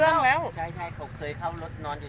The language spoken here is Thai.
นู่นขอเข้ารถไปนี่